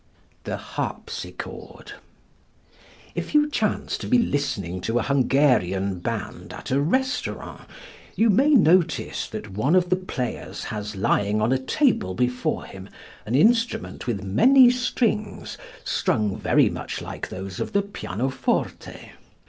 The Harpsichord. If you chance to be listening to a Hungarian band at a restaurant you may notice that one of the players has lying on a table before him an instrument with many strings strung very much like those of the pianoforte.